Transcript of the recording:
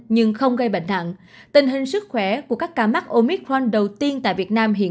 nhưng không gây bệnh nặng tình hình sức khỏe của các ca mắc omit frent đầu tiên tại việt nam hiện